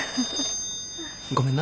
☎ごめんな。